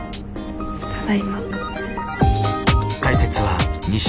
ただいま。